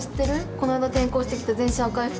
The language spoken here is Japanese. こないだ転校してきた全身赤い服の子。